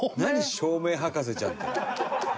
照明博士ちゃんって。